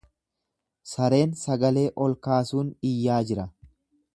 Sareen sagalee ol kaasuun iyyaa jira.